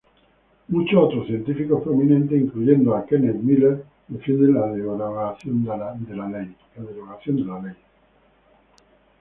Muchos otros científicos prominentes, incluyendo a Kenneth Miller, defienden la derogación de la ley.